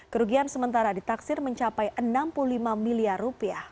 kerugian sementara ditaksir mencapai rp enam puluh lima miliar